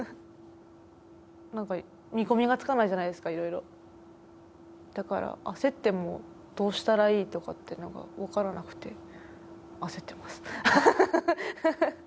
何か見込みがつかないじゃないですか色々だから焦ってもどうしたらいいとかって何か分からなくて焦ってます